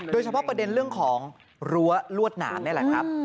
โดยเฉพาะประเด็นเรื่องของรั้วลวดหนามนี่แหละครับ